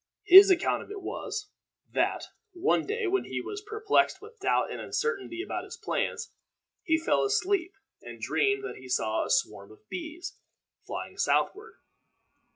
His account of it was, that, one day, when he was perplexed with doubt and uncertainty about his plans, he fell asleep and dreamed that he saw a swarm of bees flying southward.